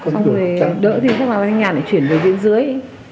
xong rồi đỡ thì các bà thanh nhà lại chuyển về thiên dưới